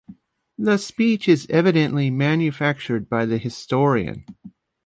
The speech is evidently manufactured by the historian.